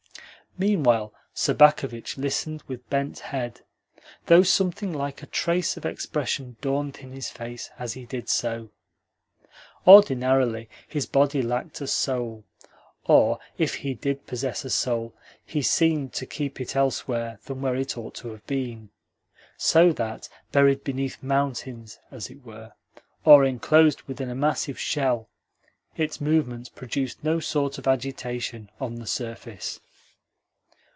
Meanwhile Sobakevitch listened with bent head; though something like a trace of expression dawned in his face as he did so. Ordinarily his body lacked a soul or, if he did possess a soul, he seemed to keep it elsewhere than where it ought to have been; so that, buried beneath mountains (as it were) or enclosed within a massive shell, its movements produced no sort of agitation on the surface.